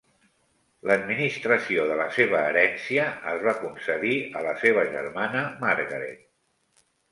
L'administració de la seva herència es va concedir a la seva germana Margaret.